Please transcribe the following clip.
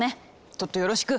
トットよろしく！